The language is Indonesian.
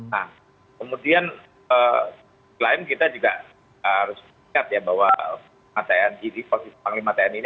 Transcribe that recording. nah kemudian lain kita juga harus lihat ya bahwa atn ini posisi panglima atn ini